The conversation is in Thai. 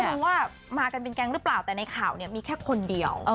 รู้ว่ามากันเป็นแก๊งหรือเปล่าแต่ในข่าวเนี่ยมีแค่คนเดียว